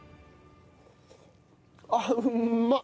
あっうまっ！